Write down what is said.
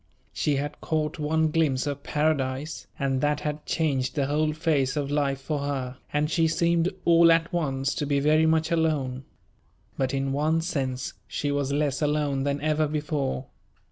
She had caught one glimpse of paradise, and that had changed the whole face of life for her, and she seemed all at once to be very much alone. But in one sense she was less alone than ever before.